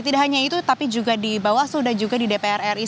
tidak hanya itu tapi juga di bawah sudah juga di dprri